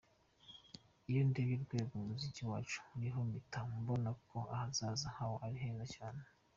Iyo ndebye urwego umuziki wacu uriho mpita mbona ko ahazaza hawo ari heza cyane.